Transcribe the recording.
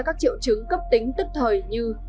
các triệu chứng cấp tính tức thời như